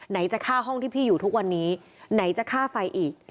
จะค่าห้องที่พี่อยู่ทุกวันนี้ไหนจะค่าไฟอีก